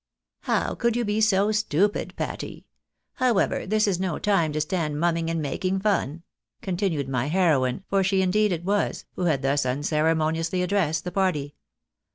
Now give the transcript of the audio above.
" How could you be so stupid, Patty ? However, this is no time to stand m.umming and making fun," continued my heroine, for she indeed it was, who had thus unceremoniously addressed the party.